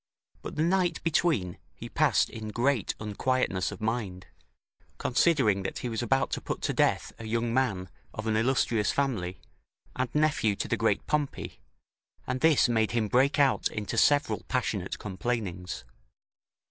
But the night between he passed in great unquietness of mind, considering that he was about to put to death a young man, of an illustrious family, and nephew to the great Pompey, and this made him break out into several passionate complainings.